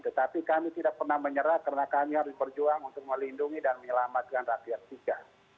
tetapi kami tidak pernah menyerah karena kami harus berjuang untuk melindungi dan menyelamatkan rakyat kita